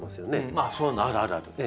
あっそういうのあるあるある。